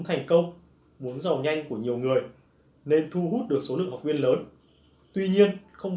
thành công muốn giàu nhanh của nhiều người nên thu hút được số lượng học viên lớn tuy nhiên không